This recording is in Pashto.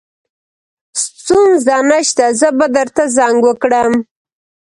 ستونزه نشته زه به درته زنګ وکړم